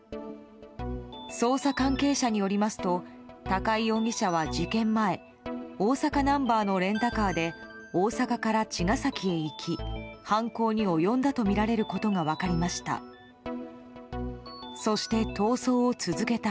捜査関係者によりますと高井容疑者は事件前大阪ナンバーのレンタカーで大阪から茅ヶ崎へ行き犯行に及んだとみられることが分かりました。